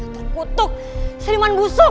terkutuk seliman busuk